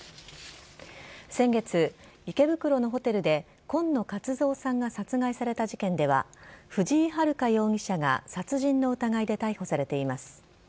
先月、池袋のホテルで今野勝蔵さんが殺害された事件では藤井遥容疑者が殺人の疑いで逮捕されています。